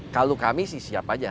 kalau kami sih siap aja